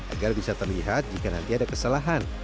agar bisa terlihat jika nanti ada kesalahan